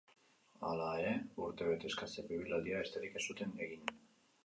Hala ere, urtebete eskaseko ibilaldia besterik ez zuten egin.